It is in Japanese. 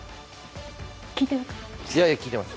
って、聞いてます？